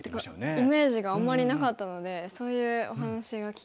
イメージがあんまりなかったのでそういうお話が聞けて新鮮でしたよね。